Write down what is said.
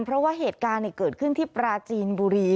เพราะว่าเหตุการณ์เกิดขึ้นที่ปราจีนบุรี